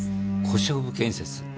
小勝負建設。